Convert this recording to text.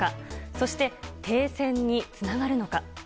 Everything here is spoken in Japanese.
そして、停戦につながるのか。